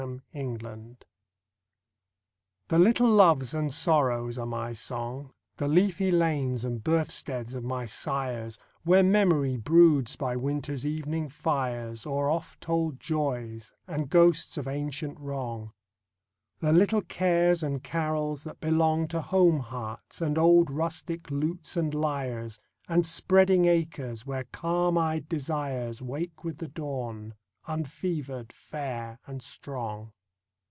Home Songs The little loves and sorrows are my song: The leafy lanes and birthsteads of my sires, Where memory broods by winter's evening fires O'er oft told joys, and ghosts of ancient wrong; The little cares and carols that belong To home hearts, and old rustic lutes and lyres, And spreading acres, where calm eyed desires Wake with the dawn, unfevered, fair, and strong.